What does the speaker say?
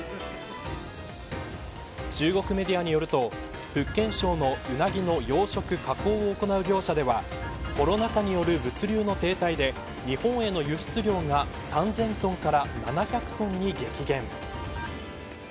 中国メディアによると福建省のウナギの養殖、加工を行う業者ではコロナ禍による物流の停滞で日本への輸出量が３０００トンから７００トンに激減。